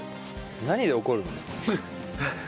何で怒るんですか？